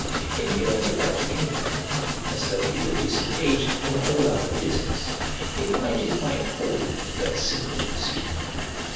In going about anywhere, as though he were disengaged from all other business, he applied his mind wholly to that single pursuit.